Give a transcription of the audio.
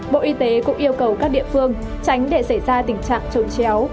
bộ y tế cũng yêu cầu các địa phương tránh để xảy ra tình trạng trồng chéo